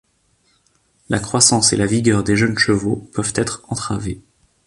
La croissance et la vigueur des jeunes chevaux peuvent être entravées.